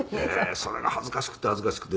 「それが恥ずかしくて恥ずかしくて」